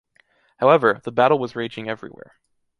However, the battle was raging everywhere.